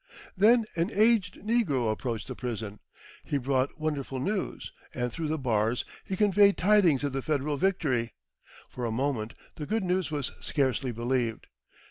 Then an aged negro approached the prison. He brought wonderful news, and through the bars he conveyed tidings of the Federal victory. For a moment the good news was scarcely believed.